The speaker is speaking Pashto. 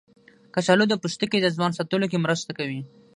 کچالو د پوستکي د ځوان ساتلو کې مرسته کوي.